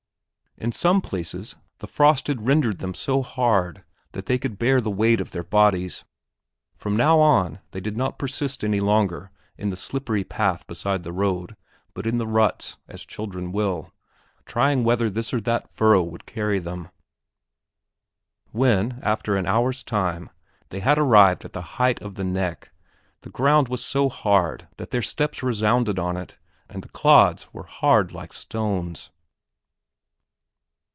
In some places, the frost had rendered them so hard that they could bear the weight of their bodies. From now on, they did not persist any longer in the slippery path beside the road, but in the ruts, as children will, trying whether this or that furrow would carry them. When, after an hour's time, they had arrived at the height of the "neck," the ground was so hard that their steps resounded on it and the clods were hard like stones.